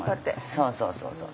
そうそうそうそう。